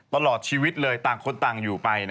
ตลอดชีวิตเลยต่างคนต่างอยู่ไป